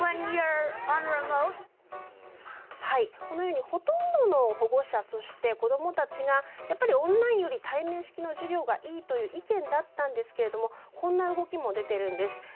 このようにほとんどの保護者そして子供たちがやっぱりオンラインより対面式の授業のほうがいいという意見だったんですけれどもこんな動きも出ているんです。